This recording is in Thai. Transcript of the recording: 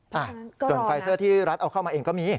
อ่ะส่วนไฟเซอร์ที่รัฐเอาเข้ามาเองก็มี